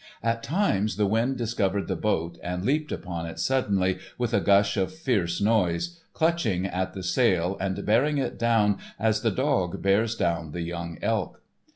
At times the wind discovered the boat and leaped upon it suddenly with a gush of fierce noise, clutching at the sail and bearing it down as the dog bears down the young elk.